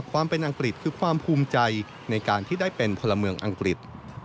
ความเป็นอังกฤษคือความภูมิใจในการที่ได้เป็นพลเมืองอังกฤษ